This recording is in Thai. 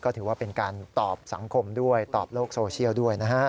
ก็ถือว่าเป็นการตอบสังคมด้วยตอบโลกโซเชียลด้วยนะฮะ